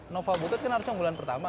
nova butet kan harusnya bulan pertama